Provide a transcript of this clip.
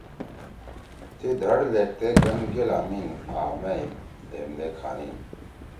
تی دھڑ لیکھتے گن گیل آن نیِن آں مأ ئی دھیمدے کھانیِن۔“